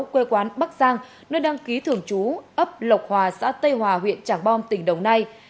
quê quán bắc giang nơi đăng ký thường trú ấp lộc hòa xã tây hòa huyện trảng bom tỉnh đồng nai